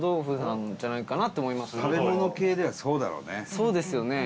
そうですよね。